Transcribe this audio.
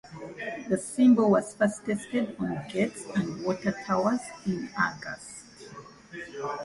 The symbol was first tested on gates and water towers in August.